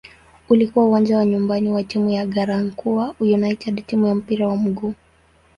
Ulikuwa uwanja wa nyumbani wa timu ya "Garankuwa United" timu ya mpira wa miguu.